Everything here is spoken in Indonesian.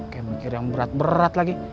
kayak mikir yang berat berat lagi